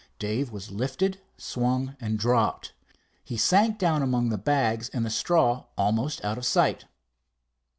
Dave was lifted, swung, and dropped. He sank down among the bags and the straw almost out of sight.